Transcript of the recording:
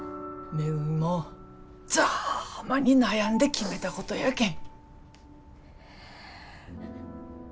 みもざぁまに悩んで決めたことやけん。